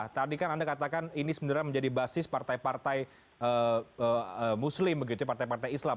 tadi kan anda katakan ini sebenarnya menjadi basis partai partai muslim begitu partai partai islam